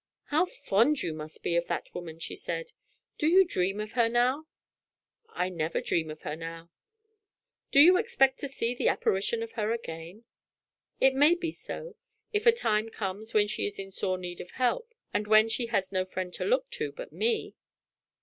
"How fond you must be of that woman!" she said. "Do you dream of her now?" "I never dream of her now." "Do you expect to see the apparition of her again?" "It may be so if a time comes when she is in sore need of help, and when she has no friend to look to but me."